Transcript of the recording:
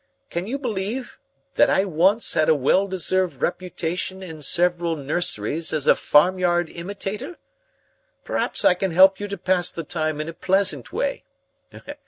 Can you believe that I once had a well deserved reputation in several nurseries as a farmyard imitator? Perhaps I can help you to pass the time in a pleasant way.